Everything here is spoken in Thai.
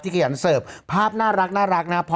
สีวิต้ากับคุณกรนิดหนึ่งดีกว่านะครับแฟนแห่เชียร์หลังเห็นภาพ